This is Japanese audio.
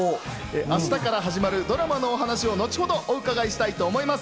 明日から始まるドラマのお話を後ほどお伺いしたいと思います。